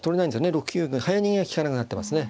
６九玉早逃げが利かなくなってますね。